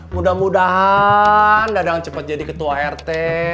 mudah mudahan dadang cepat jadi ketua rt